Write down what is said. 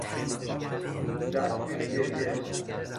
زد زیر گریه.